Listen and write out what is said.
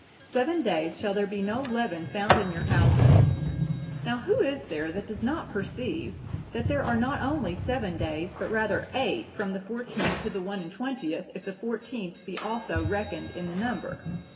Seven days shall there be no leaven found in your houses.' Now, who is there that does not perceive, that there are not only seven days, but rather eight, from the fourteenth to the one and twentieth, if the fourteenth be also reckoned in the number?